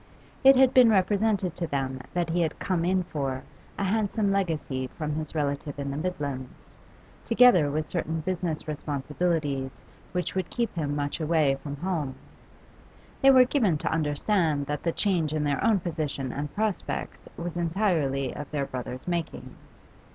It had been represented to them that he had 'come in for' a handsome legacy from his relative in the Midlands, together with certain business responsibilities which would keep him much away from home; they were given to understand that the change in their own position and prospects was entirely of their brother's making.